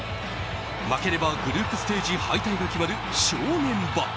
負ければグループステージ敗退が決まる正念場。